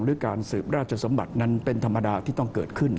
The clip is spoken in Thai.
หรือการสืบราชสมบัตินั้นเป็นธรรมดาที่ต้องเกิดขึ้น